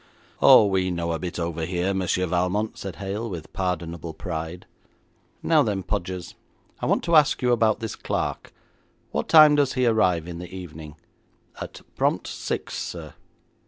'Oh, we know a bit over here, Monsieur Valmont,' said Hale, with pardonable pride. 'Now then, Podgers, I want to ask you about this clerk. What time does he arrive in the evening?' 'At prompt six, sir.'